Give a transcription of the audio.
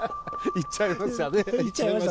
行っちゃいましたね。